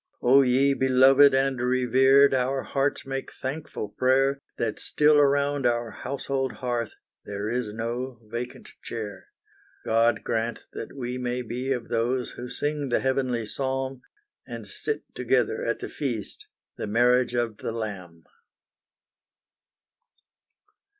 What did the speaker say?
Oh ye beloved and revered! Our hearts make thankful prayer, That still around our household hearth There is no vacant chair. God grant that we may be of those Who sing the heavenly psalm, And sit together at the feast, The marriage of the Lamb!